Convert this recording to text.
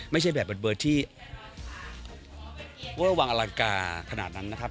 ไม่ใช่แบบเบิร์ดเบิร์ดที่ว่าระวังอลังกาขนาดนั้นนะครับ